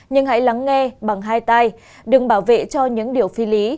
nhưng hãy lắng nghe bằng hai tay đừng bảo vệ cho những điều phi lý